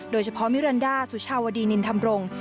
โดยเฉพาะมิรันดาสุชาวดีนินธำรงค์